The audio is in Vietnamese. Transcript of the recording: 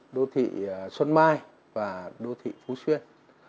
đô thị xuân mai và đô thị phú xuyên